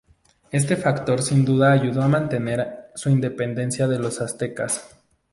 Este factor sin duda ayudó a mantener su independencia de los aztecas.